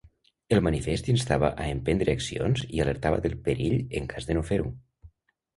El manifest instava a emprendre accions i alertava del perill en cas de no fer-ho.